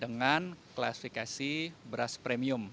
dengan klasifikasi beras premium